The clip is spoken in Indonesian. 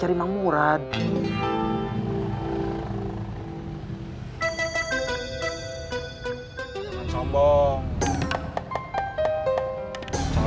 ketiganya ada yang ngehajar